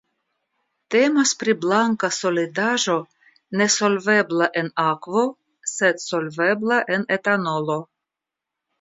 Temas pri blanka solidaĵo nesolvebla en akvo sed solvebla en etanolo.